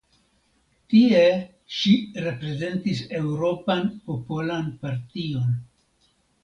Tie ŝi reprezentis Eŭropan Popolan Partion.